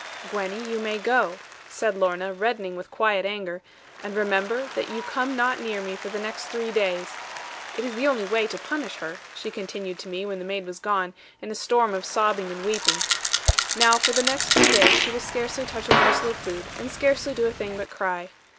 'Gwenny, you may go,' said Lorna, reddening with quiet anger; 'and remember that you come not near me for the next three days. It is the only way to punish her,' she continued to me, when the maid was gone, in a storm of sobbing and weeping. 'Now, for the next three days, she will scarcely touch a morsel of food, and scarcely do a thing but cry.